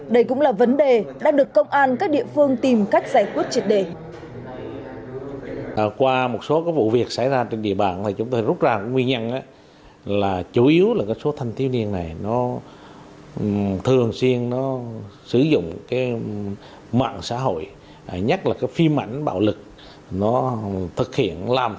đây cũng là vấn đề đang được công an các địa phương tìm cách giải quyết triệt đề